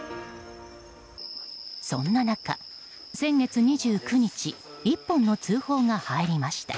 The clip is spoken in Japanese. そんな中、先月２９日１本の通報が入りました。